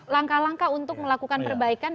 langkah langkah untuk melakukan perbaikan